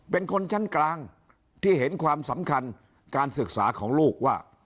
เป็นคนชั้นกลางที่เห็นความสำคัญการศึกษาของลูกว่า